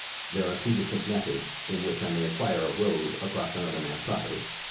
There are two distinct methods in which I may acquire a road across another man's property.